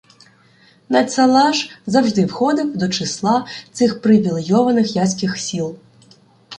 Надьсаллаш завжди входив до числа цих привілейованих яських сіл.